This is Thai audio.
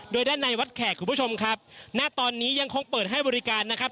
โดยด้านในวัดแขกคุณผู้ชมครับณตอนนี้ยังคงเปิดให้บริการนะครับ